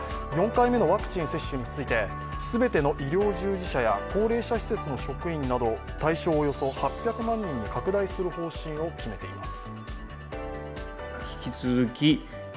４回目のワクチン接種について、全ての医療従事者や高齢者施設の職員など、対象をおよそ８００万人に拡大する方針を決めています。